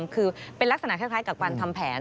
คือเป็นลักษณะคล้ายกับการทำแผน